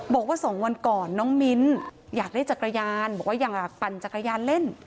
บอกว่า๒วันก่อนน้องมิ้นอยากได้จักรยานบอกว่าอยากปั่นจักรยานเล่น